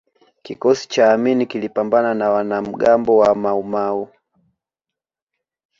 kikosi cha amini kilipambana na wanamgambo wa maumau